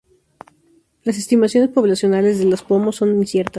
Las estimaciones poblacionales de los pomo son inciertas.